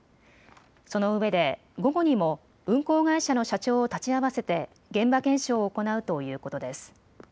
そのうえで午後にも運航会社の社長を立ち会わせて現場検証を行うということです。